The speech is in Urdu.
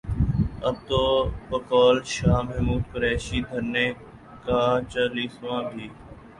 اب تو بقول شاہ محمود قریشی، دھرنے کا چالیسواں بھی